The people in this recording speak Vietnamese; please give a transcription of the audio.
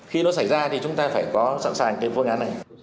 khi nó xảy ra thì chúng ta phải có sẵn sàng cái phương án này